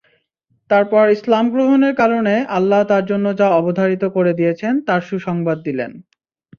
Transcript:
তারপর ইসলাম গ্রহণের কারণে আল্লাহ তাঁর জন্য যা অবধারিত করে দিয়েছেন তার সুসংবাদ দিলেন।